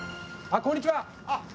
あこんにちは。